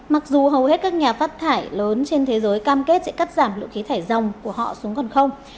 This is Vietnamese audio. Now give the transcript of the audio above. mặc dù hầu hết các nhà phát thải lớn trên thế giới cam kết sẽ cắt giảm lượng khí thải dòng của họ xuống còn không